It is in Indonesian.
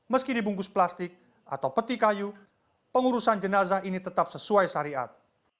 meski dibungkus plastik atau peti kayu pengurusan jenazah ini tetap sesuai syariat